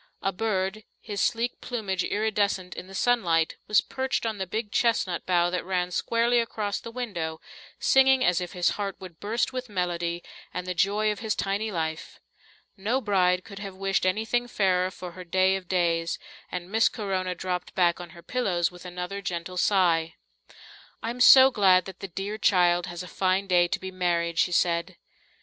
A bird, his sleek plumage iridescent in the sunlight, was perched on the big chestnut bough that ran squarely across the window, singing as if his heart would burst with melody and the joy of his tiny life. No bride could have wished anything fairer for her day of days, and Miss Corona dropped back on her pillows with another gentle sigh. "I'm so glad that the dear child has a fine day to be married," she said.